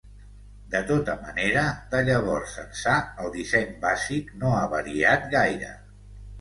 De tota manera, de llavors ençà el disseny bàsic no ha variat gaire.